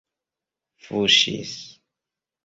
fuŝis